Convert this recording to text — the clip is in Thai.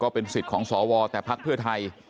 เป็นสิทธิ์ของสวแต่พักเพื่อไทย